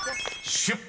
出発！］